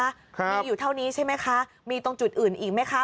ครับมีอยู่เท่านี้ใช่ไหมคะมีตรงจุดอื่นอีกไหมคะ